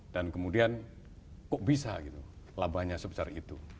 dan kemudian kok bisa gitu labanya sebesar itu